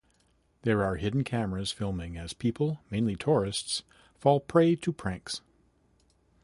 There are hidden cameras filming as people, mainly tourists, fall prey to pranks.